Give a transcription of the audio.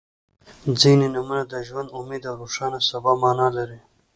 • ځینې نومونه د ژوند، امید او روښانه سبا معنا لري.